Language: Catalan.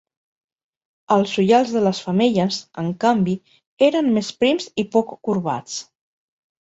Els ullals de les femelles, en canvi, eren més prims i poc corbats.